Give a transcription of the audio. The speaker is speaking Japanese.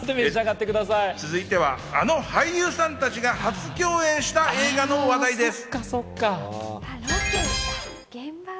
続いては、あの俳優さんたちが初共演した映画の話題です。